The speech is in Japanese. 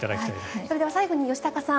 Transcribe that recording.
それでは最後に吉高さん